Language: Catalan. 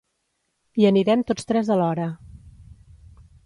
Hi anirem tots tres alhora.